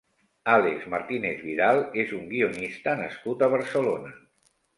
Àlex Martínez Vidal és un guionista nascut a Barcelona.